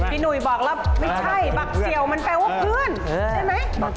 หนุ่ยบอกแล้วไม่ใช่บักเสี่ยวมันแปลว่าเพื่อนใช่ไหม